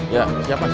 iya siapa sih